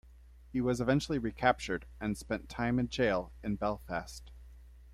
He was eventually recaptured and spent time in jail in Belfast.